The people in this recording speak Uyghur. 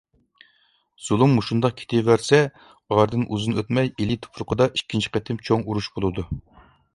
زۇلۇم مۇشۇنداق كېتىۋەرسە ئارىدىن ئۇزۇن ئۆتمەي، ئىلى تۇپرىقىدا ئىككىنچى قېتىم چوڭ ئۇرۇش بولىدۇ.